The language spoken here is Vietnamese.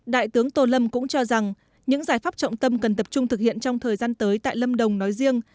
đại tướng tô lâm cũng cho rằng những giải pháp trọng tâm cần tập trung thực hiện trong thời gian tới tại lâm đồng nói riêng